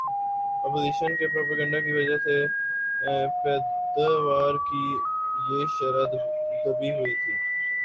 opposition کے propaganda کی وجہ سے پیداوار کی یہ شرح دبی ہوئی تھی